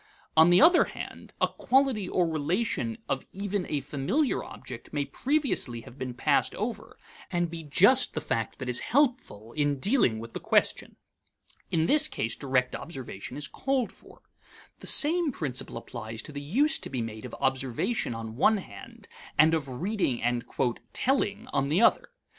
On the other hand, a quality or relation of even a familiar object may previously have been passed over, and be just the fact that is helpful in dealing with the question. In this case direct observation is called for. The same principle applies to the use to be made of observation on one hand and of reading and "telling" on the other.